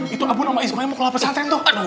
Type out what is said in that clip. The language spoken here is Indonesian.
hah itu abun sama ismail mau kelapa santren tuh